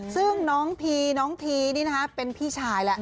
ซึ่งน้องพีน้องพีเป็นพี่ชายเลย